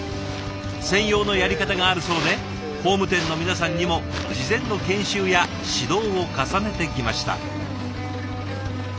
専用のやり方があるそうで工務店の皆さんにも事前の研修や指導を重ねてきました。